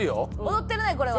踊ってるねこれは。